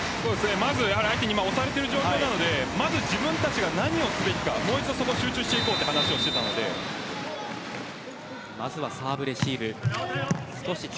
まず相手に押されている状況なのでまず自分たちが何をすべきかもう一度集中しようというまずはサーブレシーブ。